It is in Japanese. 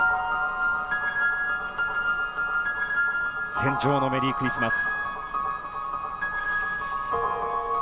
「戦場のメリークリスマス」。